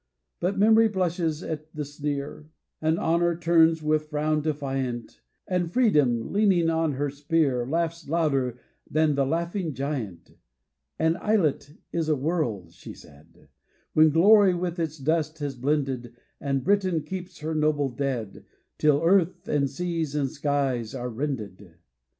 But Memory blushes at the sneer, And Honour turns with frown defiant, And Freedom, leaning on her spear, Laughs louder than the laughing giant: "An islet is a world," she said, "When glory with its dust has blended, And Britain keeps her noble dead Till earth and seas and skies are rended!"